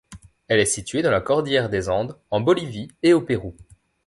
Elle est située dans la cordillère des Andes, en Bolivie et au Pérou.